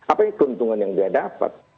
apa keuntungan yang dia dapat